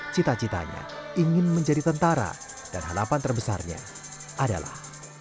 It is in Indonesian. cita citanya ingin menjadi tentara dan harapan terbesarnya adalah